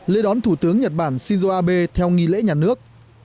lễ đón thủ tướng nhật bản shinzo abe theo nghi lễ nhà nước